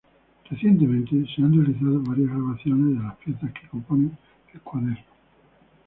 Recientemente, se han realizado varias grabaciones de las piezas que componen el cuaderno.